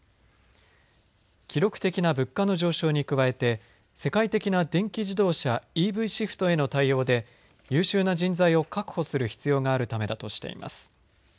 記録的な物価の上昇に加えて世界的な電気自動車ＥＶシフトへの対応で優秀な人材を確保する必要があるためだとしています。